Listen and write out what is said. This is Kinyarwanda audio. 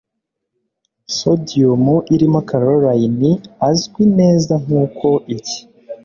Sodium irimo chlorine azwi neza Nk'uko iki